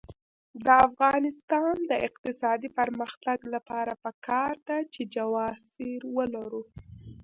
د افغانستان د اقتصادي پرمختګ لپاره پکار ده چې جواز سیر ولرو.